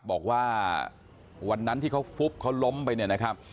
บอกว่าวันนั้นที่เขาฟุบเขาล้มไปเนี่ยนะครับ